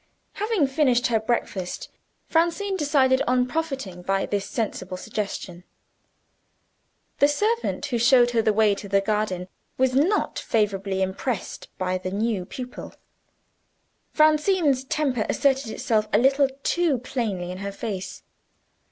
Having finished her breakfast, Francine decided on profiting by this sensible suggestion. The servant who showed her the way to the garden was not favorably impressed by the new pupil: Francine's temper asserted itself a little too plainly in her face.